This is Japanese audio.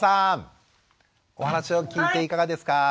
お話を聞いていかがですか？